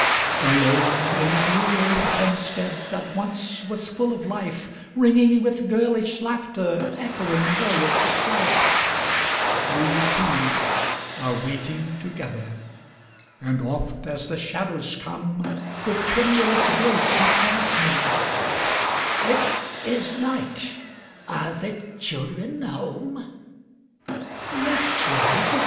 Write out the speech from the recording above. Alone in the dear old homestead That once was full of life, Ringing with girlish laughter, Echoing boyish strife, We two are waiting together; And oft, as the shadows come, With tremulous voice he calls me, "It is night! are the children home?" "Yes, love!"